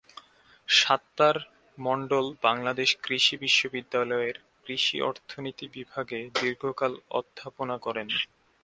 সাত্তার মণ্ডল বাংলাদেশ কৃষি বিশ্ববিদ্যালয়ের কৃষি অর্থনীতি বিভাগে দীর্ঘকাল অধ্যাপনা করেন।